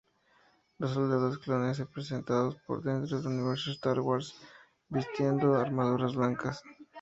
Los soldados clones son presentados dentro del universo "Star Wars" vistiendo armaduras blancas.